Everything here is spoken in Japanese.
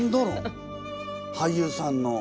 俳優さんの！